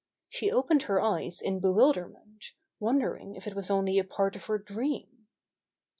She opened her eyes in bewilderment, wondering if it was only a part of her dream.